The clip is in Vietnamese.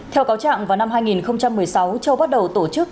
theo cáo trạng vào năm hai nghìn một mươi sáu châu bắt đầu tổ chức